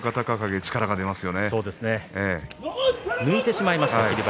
霧馬山が浮いてしまいました。